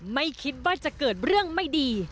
ไม่คิดว่าจะเกิดเรื่องไม่ดี